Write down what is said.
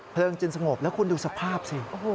เพลิงจนสงบแล้วคุณดูสภาพสิ